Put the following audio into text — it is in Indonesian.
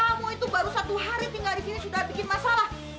kamu itu baru satu hari tinggal di sini sudah bikin masalah